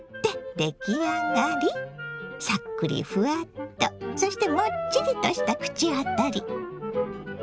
さっくりふわっとそしてもっちりとした口当たり。